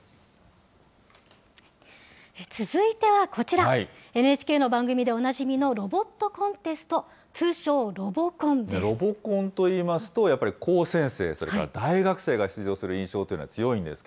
続いてはこちら、ＮＨＫの番組でおなじみのロボットコンテスト、ロボコンといいますと、やっぱり高専生、それから大学生が出場する印象が強いんです